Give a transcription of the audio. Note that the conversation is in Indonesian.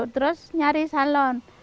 terus nyari salon